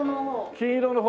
金色の方？